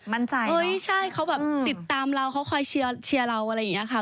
มั่นใจเหรออุ๊ยใช่เขาแบบติดตามเราเขาคอยเชียร์เราอะไรอย่างเงี้ยค่ะ